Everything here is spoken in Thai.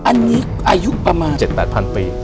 อันนี้อายุประมาณ๗๘๐๐ปี